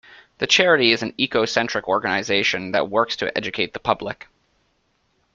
The charity is an ecocentric organisation that works to educate the public.